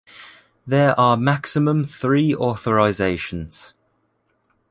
There are maximum three authorizations.